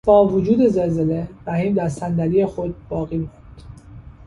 با وجود زلزله رحیم در صندلی خود باقی ماند.